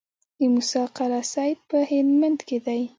د موسی قلعه سیند په هلمند کې دی